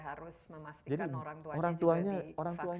harus memastikan orang tuanya juga divaksin